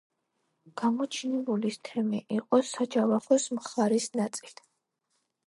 გამოჩინებულის თემი იყო საჯავახოს მხარის ნაწილი.